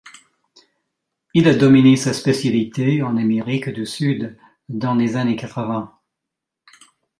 Il a dominé sa spécialité en Amérique du Sud dans les années quatre-vingts.